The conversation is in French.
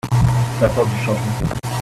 Ça apporte du changement.